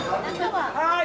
はい！